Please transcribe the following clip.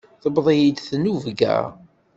Tewweḍ-iyi-d tinubga.